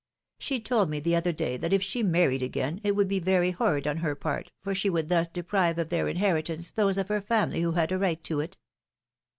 She told me the other day that if she married again, it would be very horrid on her part, for she would thus deprive of their inheritance those of her family v/ho had a right to it."